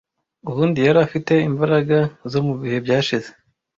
Ubundi yari afite imbaraga zo mubihe byashize,